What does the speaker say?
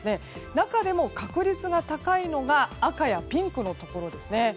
中でも確率が高いのが赤やピンクのところですね。